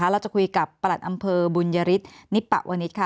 เราจะคุยกับประหลัดอำเภอบุญยฤทธิ์นิปะวนิษฐ์ค่ะ